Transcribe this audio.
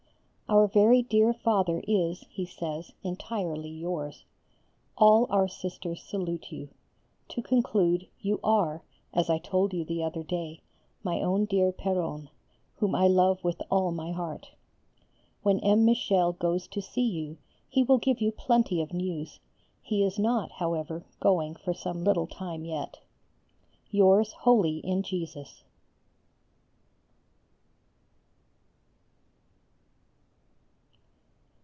Our very dear Father is, he says, entirely yours. All our Sisters salute you. To conclude, you are, as I told you the other day, my own dear Péronne, whom I love with all my heart. When M. Michel goes to see you he will give you plenty of news; he is not, however, going for some little time yet. Yours wholly in Jesus.